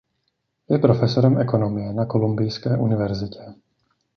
Je profesorem ekonomie na Kolumbijské univerzitě.